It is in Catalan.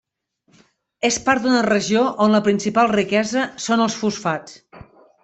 És part d'una regió on la principal riquesa són els fosfats.